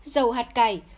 dầu hạt cải